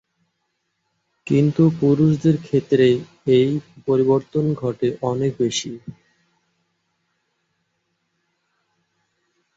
কিন্তু পুরুষদের ক্ষেত্রে এই পরিবর্তন ঘটে অনেক বেশি।